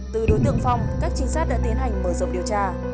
từ đối tượng phong các trinh sát đã tiến hành mở rộng điều tra